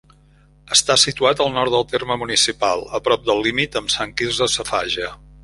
Està situat al nord del terme municipal, a prop del límit amb Sant Quirze Safaja.